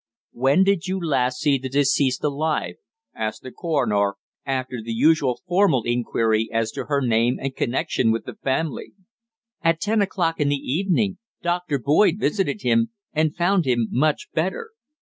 "When did you last see the deceased alive?" asked the coroner, after the usual formal inquiry as to her name and connection with the family. "At ten o'clock in the evening. Dr. Boyd visited him, and found him much better.